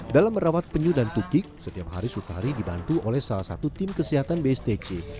dalam merawat penyu dan tukik setiap hari sutari dibantu oleh salah satu tim kesehatan bstc